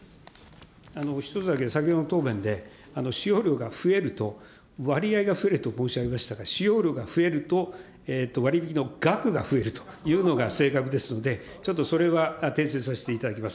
一つだけ、先ほどの答弁で使用量が増えると、割合が増えると申し上げましたが、使用量が増えると、割引の額が増えるというのが正確ですので、ちょっとそれは訂正させていただきます。